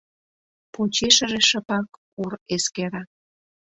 Почешыже шыпак Ур эскера.